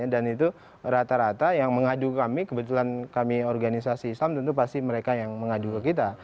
dan itu rata rata yang mengadu kami kebetulan kami organisasi islam tentu pasti mereka yang mengadu kita